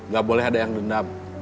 gak boleh ada yang dendam